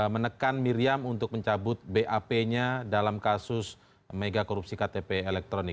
menekan miriam untuk mencabut bap nya dalam kasus mega korupsi ktp elektronik